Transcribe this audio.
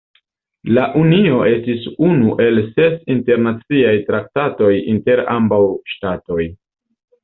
La unio estis unu el ses internaciaj traktatoj inter ambaŭ ŝtatoj.